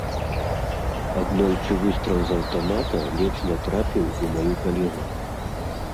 Аднойчы выстрал з аўтамата ледзь не трапіў у маю калегу.